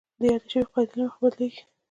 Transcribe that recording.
دا د یادې شوې قاعدې له مخې بدلیږي.